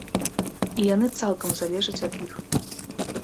І яны цалкам залежаць ад іх.